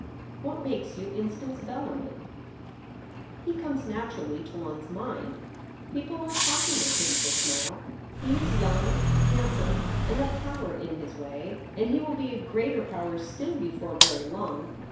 * What makes you Instance Bellarmin ?'' He comes naturally to one's mind. People are talking of him just now. He Is young, handsome, and a power in his way ; and he will be a greater power still, before very long.